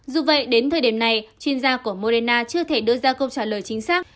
dù vậy đến thời điểm này chuyên gia của morena chưa thể đưa ra câu trả lời chính xác